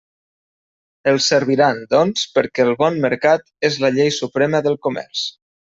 Els serviran, doncs, perquè el bon mercat és la llei suprema del comerç.